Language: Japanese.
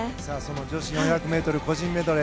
女子４００ｍ個人メドレー。